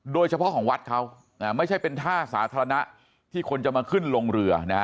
โดยเฉพาะของวัดเขาไม่ใช่เป็นท่าสาธารณะที่คนจะมาขึ้นลงเรือนะฮะ